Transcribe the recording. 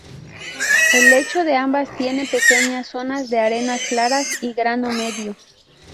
El lecho de ambas tiene pequeñas zonas de arenas claras y grano medio.